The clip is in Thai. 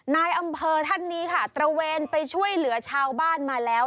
นายอำเภอท่านนี้ค่ะตระเวนไปช่วยเหลือชาวบ้านมาแล้ว